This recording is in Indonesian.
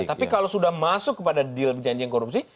tapi kalau sudah masuk kepada deal perjanjian korupsi